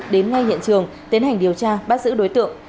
đến ngay hiện trường tiến hành điều tra bắt giữ đối tượng